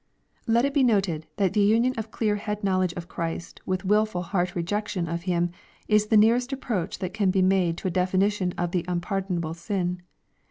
Let it be noted, that the union of clear head knowledge of Christ with wilful heart rejection of Him, is the nearest approach that can be made to a definition of the unpardonable sin.